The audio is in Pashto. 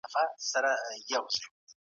ایا تکړه پلورونکي تور کیشمیش اخلي؟